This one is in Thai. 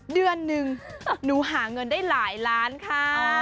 เดือนหนึ่งหนูหาเงินได้หลายล้านค่ะ